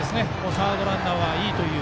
サードランナーはいいという。